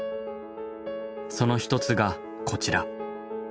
その一つがこちら。